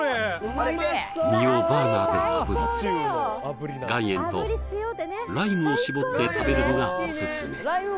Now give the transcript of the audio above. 身をバーナーであぶり岩塩とライムを搾って食べるのがおすすめ・